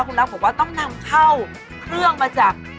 คุณนับบอกว่าต้องนำเข้าเครื่องมาจาก